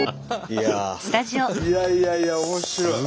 いやいや面白い！